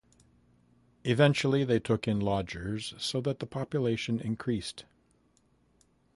Eventually they took in lodgers, so that the population increased.